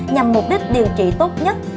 nhằm mục đích điều trị tốt nhất